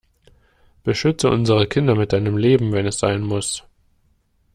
Beschütze unsere Kinder mit deinem Leben, wenn es sein muss!